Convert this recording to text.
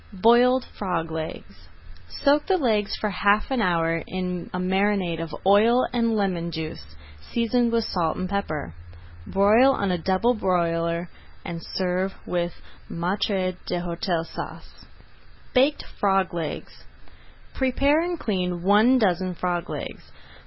BROILED FROG LEGS Soak the legs for half an hour in a marinade of oil and lemon juice, seasoned with salt and pepper. Broil on a double broiler, and serve with Maître d'Hôtel Sauce. BAKED FROG LEGS Prepare and clean one dozen frog legs.